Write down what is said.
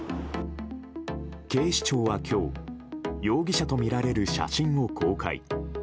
警視庁は今日容疑者とみられる写真を公開。